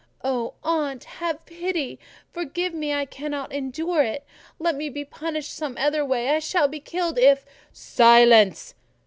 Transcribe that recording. "O aunt! have pity! Forgive me! I cannot endure it—let me be punished some other way! I shall be killed if—" "Silence!